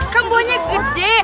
kan buahnya gede